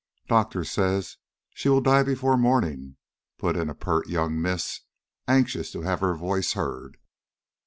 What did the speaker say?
"Doctor says she will die before morning," put in a pert young miss, anxious to have her voice heard.